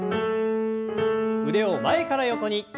腕を前から横に。